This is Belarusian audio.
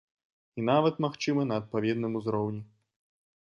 І нават, магчыма, на адпаведным узроўні.